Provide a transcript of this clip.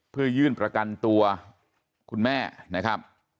เพื่อยื่นประกันตัวคุณแม่นะครับ